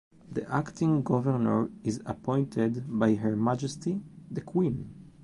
The Acting Governor is appointed by Her Majesty The Queen.